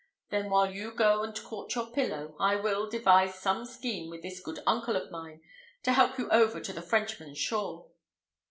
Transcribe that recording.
Then while you go and court your pillow, I will, devise some scheme with this good uncle of mine to help you over to the Frenchman's shore."